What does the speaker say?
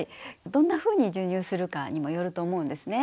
どんなふうに授乳するかにもよると思うんですね。